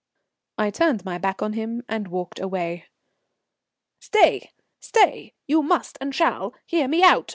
I turned my back on him and walked away. "Stay, stay. You must and shall hear me out.